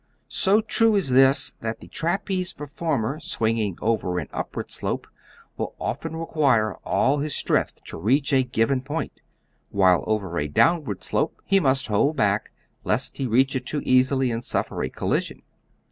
So true is this that the trapeze performer swinging over an upward slope will often require all his strength to reach a given point, while over a downward slope he must hold back, lest he reach it too easily and suffer a collision.